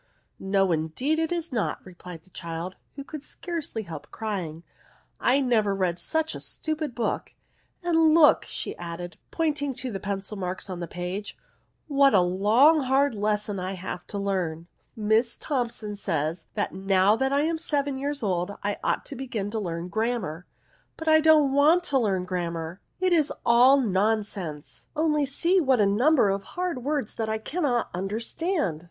" No indeed it is not," replied the child, who could scarcely help crying ;" I never read such a stupid book ; and look," added she, pointing to the pencil marks on the page, " what a long hard lesson I have to learn ! Miss Thompson says, that now I am seven years old, I ought to begin to learn grammar ; but I don't want to learn grammar ; it is all B NOUNS. nonsense ; only see what a number of hard words that I cannot understand